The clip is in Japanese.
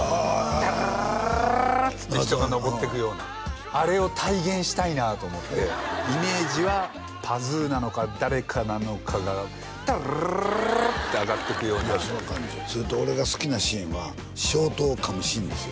ダラララララララっつって人が登ってくようなあれを体現したいなと思ってイメージはパズーなのか誰かなのかがダラララララララって上がってくようなそれと俺が好きなシーンは小刀を噛むシーンですよ